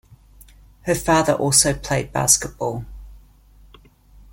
Her father also played basketball.